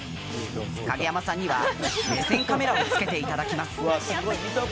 影山さんには、目線カメラをつけていただきます。